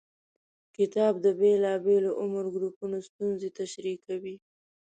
کتاب د بېلابېلو عمر ګروپونو ستونزې تشریح کوي.